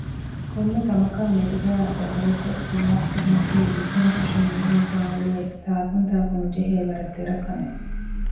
ކޮންމެކަމަކާމެދުގައި ޖަދަލުކޮށް ޒުވާބުކުރުމަކީ ވިސްނުންކޮށި މީހުންކޮށްއުޅޭ ތާކުންތާކުނުޖެހޭ ވަރަށް ދެރަކަމެއް